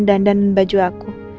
dan dandan baju aku